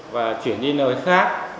và chuyển đi nơi khác